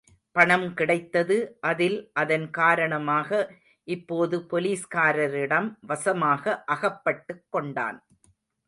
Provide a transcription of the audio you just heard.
பணம் கிடைத்தது அதில், அதன் காரணமாக, இப்போது போலீஸ்காரரிடம் வசமாக அகப்பட்டுக்கொண்டான்.